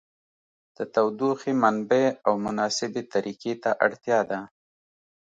د تودوخې منبع او مناسبې طریقې ته اړتیا ده.